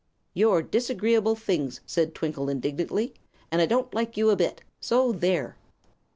"You're dis'greeable things!" said Twinkle, indignantly; "and I don't like you a bit. So _there!"